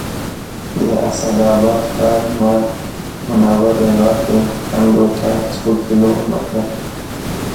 د اسداباد ښار نه منورې غاښي کنډو ته څو کیلو متره